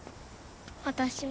私も？